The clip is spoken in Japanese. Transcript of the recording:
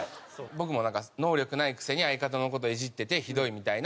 僕もなんか「能力ないくせに相方の事イジっててひどい」みたいな。